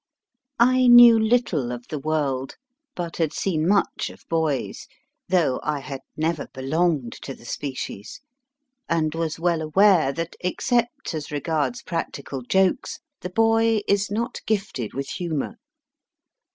I knew little of the world, but had seen much of boys (though I had never belonged to the species), and was well aware that, except as regards practical jokes, the boy is not gifted with humour.